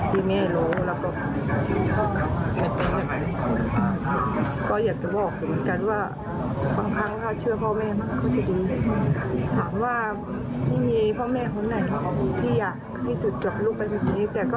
แต่ทุกคนก็ต้องบอกลูกแบบนั้นอยู่แล้ว